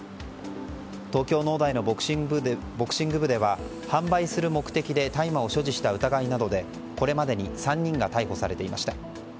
東京農大のボクシング部では販売する目的で大麻を所持した疑いなどでこれまでに３人が逮捕されていました。